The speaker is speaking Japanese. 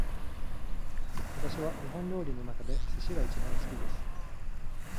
私は日本料理の中で寿司が一番好きです